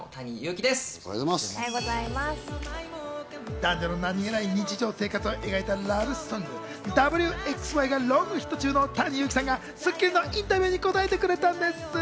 男女の何げない日常生活を描いたラブソング『Ｗ／Ｘ／Ｙ』がロングヒット中のＴａｎｉＹｕｕｋｉさんが『スッキリ』のインタビューに応えてくれたんです。